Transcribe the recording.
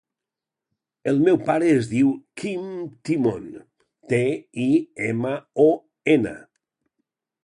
El meu pare es diu Quim Timon: te, i, ema, o, ena.